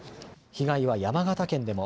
被害は山形県でも。